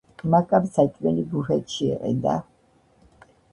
მაკამ საჭმელი ბუფეტში იყიდა.